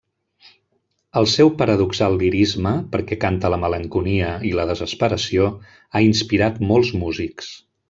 El seu paradoxal lirisme, perquè canta la malenconia i la desesperació, ha inspirat molts músics.